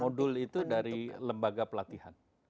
modul itu dari lembaga pelatihan